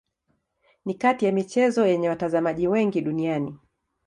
Ni kati ya michezo yenye watazamaji wengi duniani.